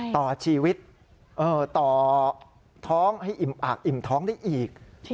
ต่อชีวิตต่อท้องให้อิ่มอากอิ่มท้องได้อีก